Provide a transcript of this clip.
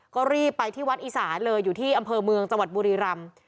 ก็รีบไปที่วัดอีสานเลยอยู่ที่อำเภอเมืองจังหวัดบุรีรำ